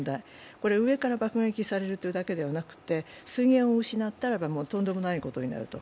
これ、上から爆撃されるというだけではなく水源を失ったらば、もう、とんでもないことになると。